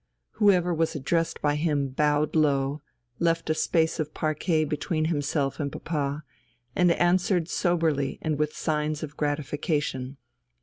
Whoever was addressed by him bowed low, left a space of parquet between himself and papa, and answered soberly and with signs of gratification.